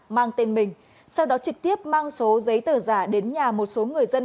mang tên mình sau đó trực tiếp mang số giấy tờ giả đến nhà một số người dân